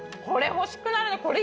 これ欲しくなるな。